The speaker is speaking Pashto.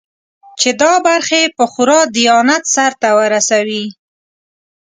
چې دا برخې په خورا دیانت سرته ورسوي.